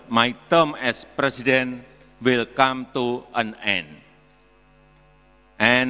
perhubungan saya sebagai presiden akan berakhir